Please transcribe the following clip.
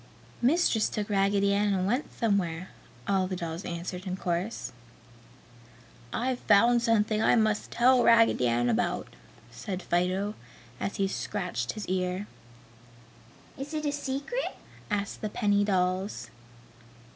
"Mistress took Raggedy Ann and went somewhere!" all the dolls answered in chorus. "I've found something I must tell Raggedy Ann about!" said Fido, as he scratched his ear. "Is it a secret?" asked the penny dolls.